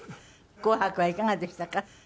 『紅白』はいかがでしたか？